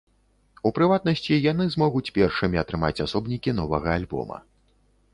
У прыватнасці, яны змогуць першымі атрымаць асобнікі новага альбома.